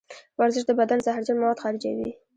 ورزش د بدن زهرجن مواد خارجوي.